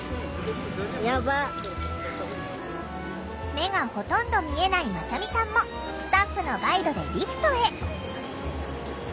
目がほとんど見えないまちゃみさんもスタッフのガイドでリフトへ。